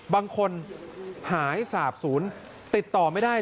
บางคนหายสาบศูนย์ติดต่อไม่ได้